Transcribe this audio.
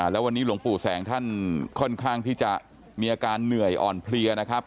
แล้ววันนี้หลวงปู่แสงท่านค่อนข้างที่จะมีอาการเหนื่อยอ่อนเพลียนะครับ